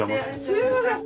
すみません。